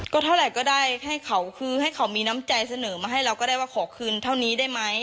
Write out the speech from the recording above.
ก็เท่าไหร่ก็ได้ให้เขาคือให้เขามีน้ำใจเสนอมาให้เราก็ได้ว่าขอคืนเท่านี้ได้ไหม